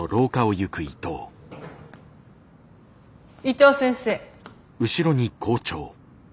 伊藤先生。